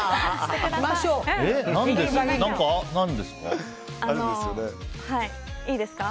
何ですか？